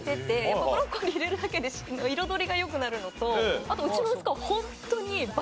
やっぱブロッコリー入れるだけで彩りが良くなるのとあとうちの息子はホントに爆食いするんですよ